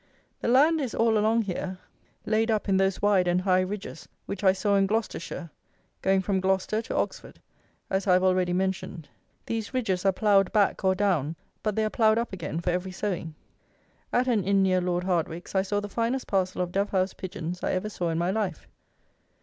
The land is, all along here, laid up in those wide and high ridges, which I saw in Gloucestershire, going from Gloucester to Oxford, as I have already mentioned. These ridges are ploughed back or down; but they are ploughed up again for every sowing. At an Inn near Lord Hardwicke's I saw the finest parcel of dove house pigeons I ever saw in my life.